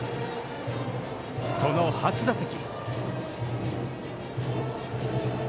その初打席。